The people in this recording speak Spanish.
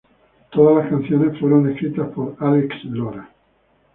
Todas las canciones fueron escritas por Álex Lora